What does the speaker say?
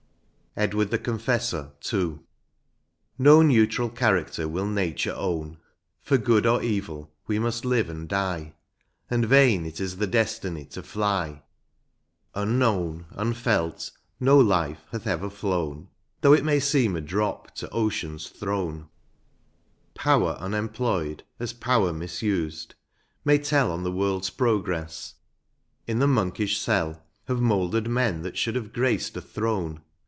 183 XCI. EDWARD THE CONFESSOR.— II. No neutral cliaracter will nature own ; For good or evil we must. live and diei . And vain it is the destiny to fly ; Unknown, unfelt, no life hath ever flown, Though it may seem a drop to oceans thrown ; Power unemployed, as power misused, may tell On the world 8 progress ; in the monkish cell Have mouldered men that should have graced a throne.